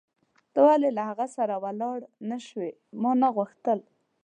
ته ولې له هغه سره ولاړ نه شوې؟ ما نه غوښتل.